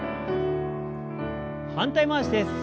反対回しです。